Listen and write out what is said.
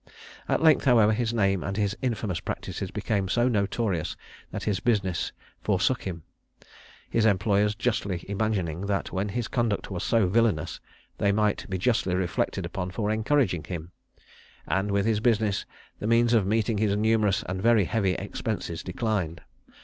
At length, however, his name and his infamous practices became so notorious that his business forsook him his employers justly imagining that when his conduct was so villanous, they might be justly reflected upon for encouraging him and with his business, the means of meeting his numerous and very heavy expenses declined.